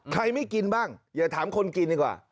ไม่กินบ้างอย่าถามคนกินดีกว่า